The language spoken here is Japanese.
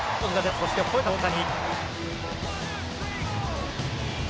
そしてほえた大谷。